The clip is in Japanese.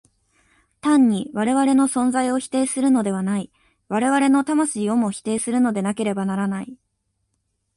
単に我々の存在を否定するのではない、我々の魂をも否定するのでなければならない。